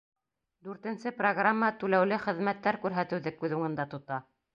Дүртенсе программа түләүле хеҙмәттәр күрһәтеүҙе күҙ уңында тота.